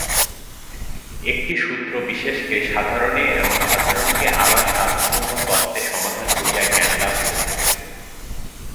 একটি সূত্র বিশেষকে সাধারণে এবং সাধারণকে আবার সার্বভৌম তত্ত্বে সমাধান করিয়া জ্ঞানলাভ করিতে হইবে।